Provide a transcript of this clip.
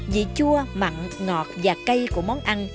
vị chua mặn ngọt và cay của món ăn